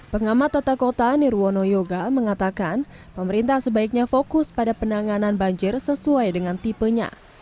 pengamat tata kota nirwono yoga mengatakan pemerintah sebaiknya fokus pada penanganan banjir sesuai dengan tipenya